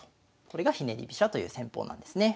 これがひねり飛車という戦法なんですね。